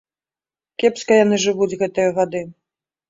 Кепска яны жывуць гэтыя гады.